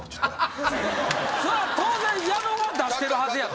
そら当然矢野が出してるはずやと。